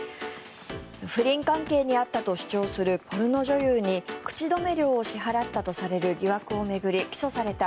不倫関係にあったと主張するポルノ女優に口止め料を支払ったとされる疑惑を巡り、起訴された